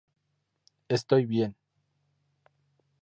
Estoy bien.